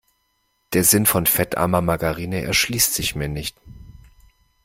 Der Sinn von fettarmer Margarine erschließt sich mir nicht.